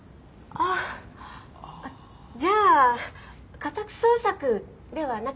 あっじゃあ家宅捜索ではなく？